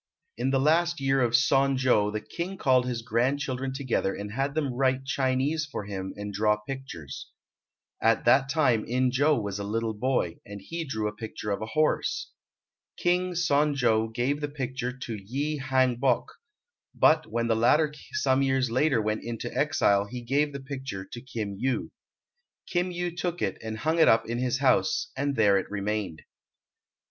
In the last year of Son jo the King called his grandchildren together and had them write Chinese for him and draw pictures. At that time In jo was a little boy, and he drew a picture of a horse. King Son jo gave the picture to Yi Hang bok, but when the latter some years later went into exile he gave the picture to Kim Yu. Kim Yu took it, and hung it up in his house and there it remained.